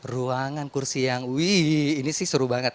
ruangan kursi yang wih ini sih seru banget